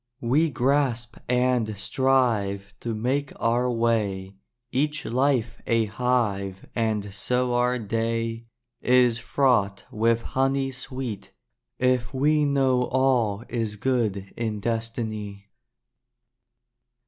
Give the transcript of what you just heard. We grasp and strive to make our way, Each life a hive and so our day Is fraught with honey sweet, if we Know all is good in destiny.